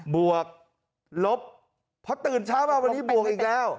บวกลบเพราะตื่นเช้ามาวันนี้บวกอีกแล้ว